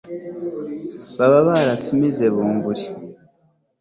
baba baratumize bunguri